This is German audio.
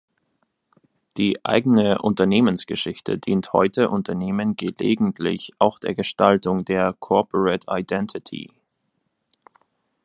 Die eigene Unternehmensgeschichte dient heute Unternehmen gelegentlich auch der Gestaltung der Corporate Identity.